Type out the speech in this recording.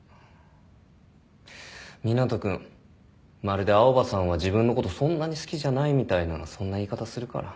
まるで青羽さんは自分のことそんなに好きじゃないみたいなそんな言い方するから。